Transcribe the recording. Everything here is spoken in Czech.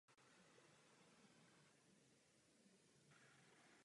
I tak ale kladla velmi ostré otázky.